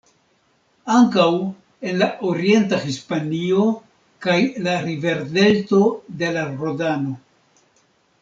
Ankaŭ en la orienta Hispanio kaj la riverdelto de la Rodano.